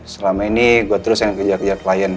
selama ini gue terus yang kejar kejar klien